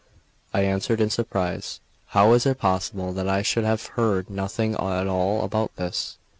I answered in surprise: "How is it possible that I should have heard nothing at all about this?"